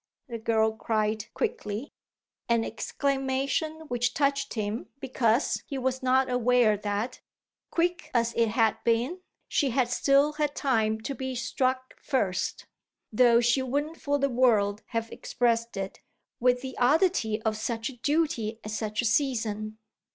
the girl cried quickly an exclamation which touched him because he was not aware that, quick as it had been, she had still had time to be struck first though she wouldn't for the world have expressed it with the oddity of such a duty at such a season.